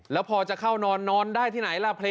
แล้วพอจะเข้านอนนอนได้ที่ไหนล่ะ